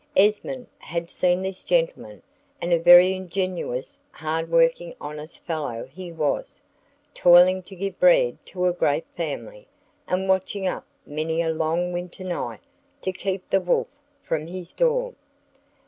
Esmond had seen this gentleman, and a very ingenious, hardworking honest fellow he was, toiling to give bread to a great family, and watching up many a long winter night to keep the wolf from his door.